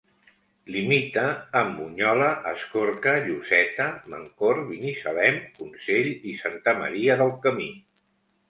Limita amb Bunyola, Escorca, Lloseta, Mancor, Binissalem, Consell i Santa Maria del Camí.